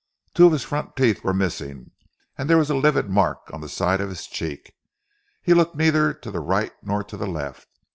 Two of his front teeth were missing, and there was a livid mark on the side of his cheek. He looked neither to the right nor to the left.